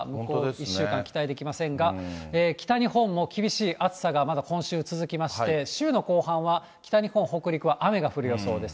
１週間期待できませんが、北日本も厳しい暑さがまだ今週、続きまして、週の後半は北日本、北陸は雨が降る予想です。